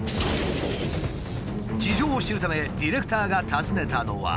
事情を知るためディレクターが訪ねたのは。